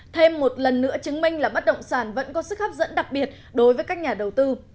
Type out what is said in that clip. thêm một lần nữa chứng minh là bất động sản vẫn có sức hấp dẫn đặc biệt đối với các nhà đầu tư